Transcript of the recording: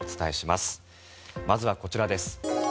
まずは、こちらです。